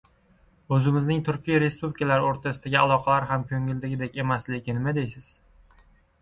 O‘zimizning turkiy respublikalar o‘rtasidagi aloqalar ham ko‘ngildagidek emasligiga nima deysiz?